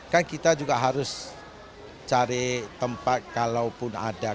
kan kita juga harus cari tempat kalaupun ada